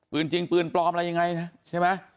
ปืนจริงปืนปลอมอะไรยังไงนะ